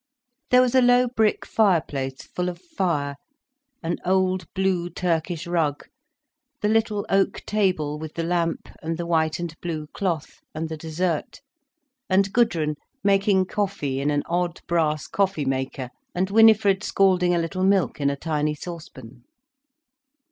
There was a low brick fireplace, full of fire, an old blue Turkish rug, the little oak table with the lamp and the white and blue cloth and the dessert, and Gudrun making coffee in an odd brass coffee maker, and Winifred scalding a little milk in a tiny saucepan.